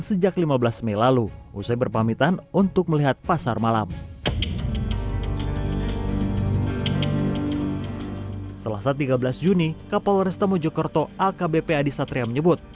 selasa malam selasa tiga belas juni kapolresta mojokerto akbp adi satria menyebut